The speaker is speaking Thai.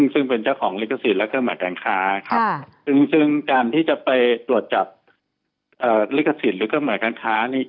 ซึ่งเป็นเจ้าของลิขสิทธิ์และเครื่องหมายการค้าซึ่งการที่จะไปตรวจจับลิขสิทธิ์หรือเครื่องหมายการค้านี้